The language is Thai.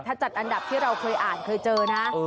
ถ้าจัดอันดับที่เราเคยอ่านเคยเจอนะ